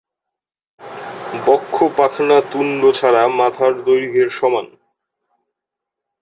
বক্ষ পাখনা তুণ্ড ছাড়া মাথার দৈর্ঘ্যের সমান।